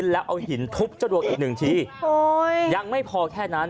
แล้วยังไม่พอเท่านั้น